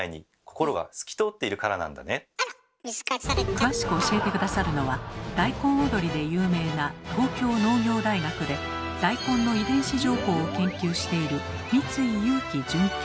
詳しく教えて下さるのは大根踊りで有名な東京農業大学で大根の遺伝子情報を研究している